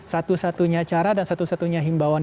satu satunya cara dan satu satunya himbauan